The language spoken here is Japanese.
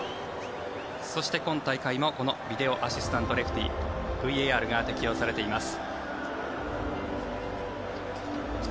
そして、今大会もビデオ・アシスタント・レフェリー＝ＶＡＲが適用されています。